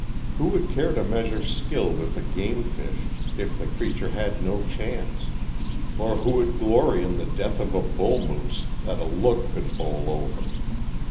Who would care to measure skill with a gamefish if the creature had no chance? Or who would glory in the death of a bull moose that a look could bowl over?